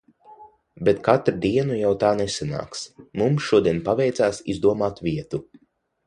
Bet katru dienu jau tā nesanāks. Mums šodien paveicās izdomāt vietu.